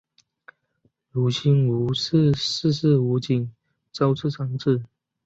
濡须吴氏四世吴景昭之长子。